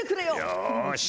よし！